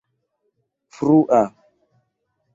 frua